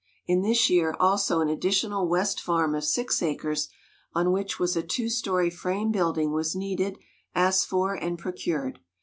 In this year also an additional west farm of six acres, on which was a two story frame building, was needed, asked for, and procured.